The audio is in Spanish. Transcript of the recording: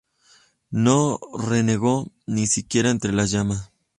No renegó, ni siquiera entre las llamas.